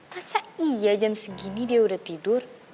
rasa iya jam segini dia udah tidur